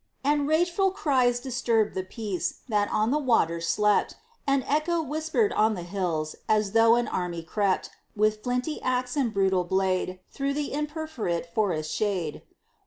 And rageful cries disturbed the peace That on the waters slept; And Echo whispered on the hills, As though an army crept, With flinty axe and brutal blade, Through the imperforate forest shade.